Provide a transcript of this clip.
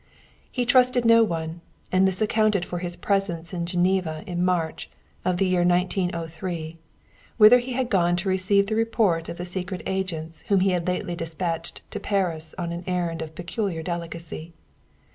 He trusted no one, and this accounted for his presence in Geneva in March, of the year 1903, whither he had gone to receive the report of the secret agents whom he had lately despatched to Paris on an errand of peculiar delicacy.